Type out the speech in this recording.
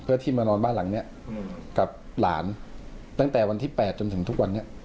เพื่อที่มานอนบ้านหลังนี้กับหลานตั้งแต่วันที่๘จนถึงทุกวันนี้